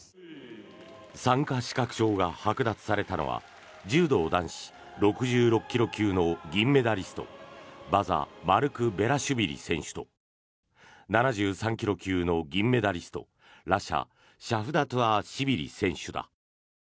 参加資格証がはく奪されたのは柔道男子６６ｋｇ級の銀メダリストバザ・マルクベラシュビリ選手と７３ｋｇ級の銀メダリストラシャ・シャフダトゥアシビリ選手だ。